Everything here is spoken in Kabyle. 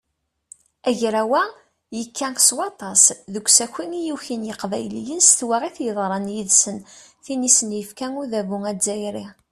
Agraw-a yekka s waṭas deg usaki i yukin yiqbayliyen s twaɣit yeḍran yid-sen, tin i sen-yefka udabu azzayri.